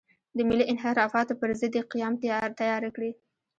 د ملي انحرافاتو پر ضد دې قیام تیاره کړي.